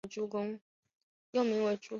幼名为珠宫。